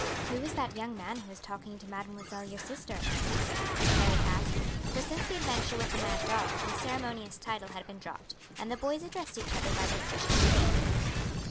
"Who is that young man who is talking to mademoiselle your sister, Ernest?" Harry asked, for since the adventure with the mad dog the ceremonious title had been dropped, and the boys addressed each other by their Christian names.